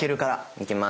いきます。